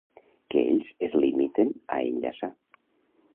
Que ells es limiten a enllaçar.